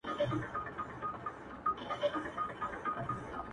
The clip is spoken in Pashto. لكه د ده چي د ليلا خبر په لــپـــه كـــي وي’